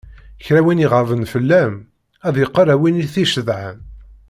Kra win iɣaben fell-am, ad yeqqel ar win i t-icedhan.